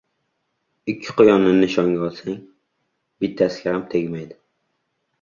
• Ikki quyonni nishonga olsang, bittasiga ham tegmaydi.